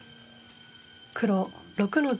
黒６の十。